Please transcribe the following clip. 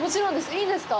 いいんですか？